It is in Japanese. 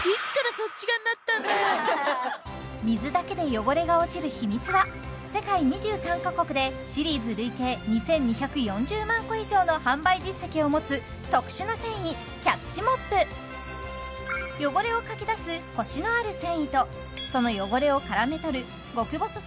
アハハッ水だけで汚れが落ちる秘密は世界２３カ国でシリーズ累計２２４０万個以上の販売実績を持つ特殊な繊維キャッチモップ汚れをかき出すコシのある繊維とその汚れを絡め取る極細